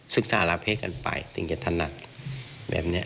ศึกษาราเภกกันไปถึงกระหนักแบบเนี่ย